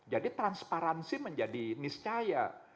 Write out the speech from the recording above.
jadi transparansi menjadi niscaya